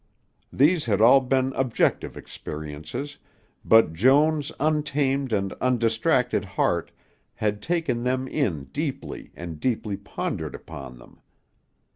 These had all been objective experiences, but Joan's untamed and undistracted heart had taken them in deeply and deeply pondered upon them.